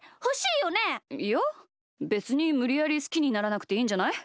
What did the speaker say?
いやべつにむりやりすきにならなくていいんじゃない？